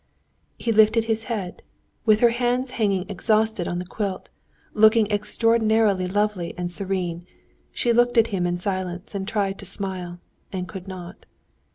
He lifted his head. With her hands hanging exhausted on the quilt, looking extraordinarily lovely and serene, she looked at him in silence and tried to smile, and could not.